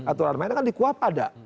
aturan main kan di kuwab ada